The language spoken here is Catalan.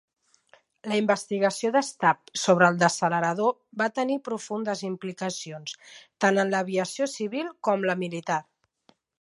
La investigació de Stapp sobre el descelerador va tenir profundes implicacions tant en l'aviació civil com en la militar.